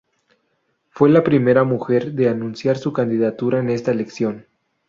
Fue la primera mujer de anunciar su candidatura en esta elección.